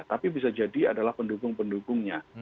tapi bisa jadi adalah pendukung pendukungnya